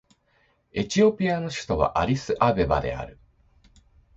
エチオピアの首都はアディスアベバである